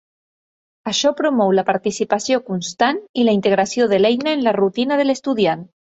Això promou la participació constant i la integració de l’eina en la rutina de l’estudiant.